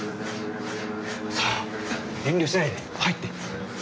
さぁ遠慮しないで入って。